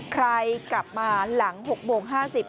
ใครกลับมาหลัง๖โมง๕๐